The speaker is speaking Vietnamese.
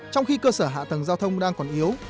trong khi cơ sở hạ tầng giao thông đang còn yếu